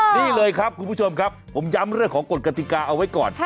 นี่เลยครับคุณผู้ชมครับผมย้ำเรื่องของกฎกติกาเอาไว้ก่อน